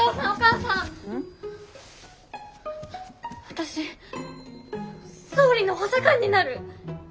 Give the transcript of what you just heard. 私総理の補佐官になる！